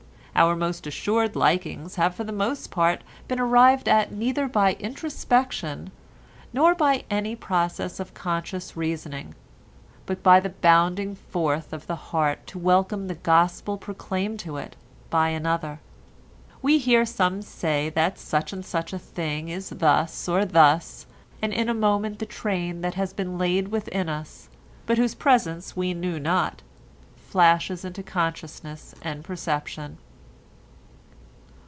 Our most assured likings have for the most part been arrived at neither by introspection nor by any process of conscious reasoning, but by the bounding forth of the heart to welcome the gospel proclaimed to it by another. We hear some say that such and such a thing is thus or thus, and in a moment the train that has been laid within us, but whose presence we knew not, flashes into consciousness and perception.